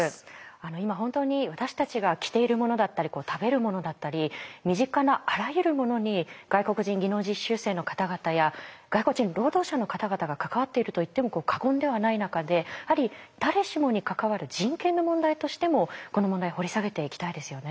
今本当に私たちが着ているものだったり食べるものだったり身近なあらゆるものに外国人技能実習生の方々や外国人労働者の方々が関わっていると言っても過言ではない中で誰しもに関わる人権の問題としてもこの問題掘り下げていきたいですよね。